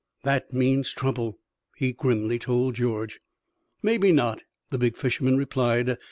"That means trouble," he grimly told George. "Maybe not," the big fisherman replied.